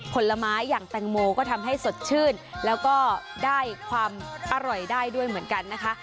ผลไม้อย่างแตงโมก็ทำให้สดชื่นแล้วก็ได้ความอร่อยได้ด้วยเหมือนกันนะคะ